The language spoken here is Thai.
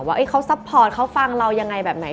ว่าเขาซัพพอร์ตเขาฟังเรายังไงแบบไหน